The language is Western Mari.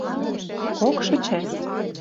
КОКШЫ ЧАСТЬ